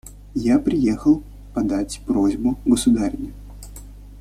Я приехала подать просьбу государыне.